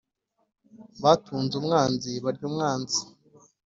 batunze umwanzi, barya umwanzi,